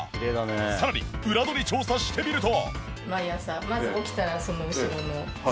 さらに裏取り調査してみると。